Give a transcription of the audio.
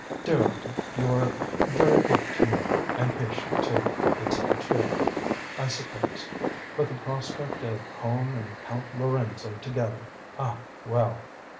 "Dear Auntie, you are very good to me, and patient, too. It's all true, I suppose; but the prospect of home and Count Lorenzo together ah, well!"